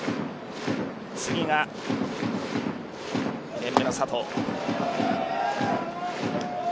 次が２年目の佐藤。